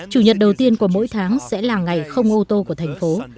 chủ nhật đầu tiên của mỗi tháng sẽ là ngày không ô tô của thành phố